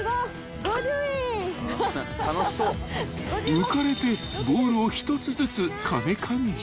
［浮かれてボールを１つずつ金勘定］